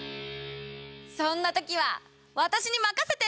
そんな時は私に任せて！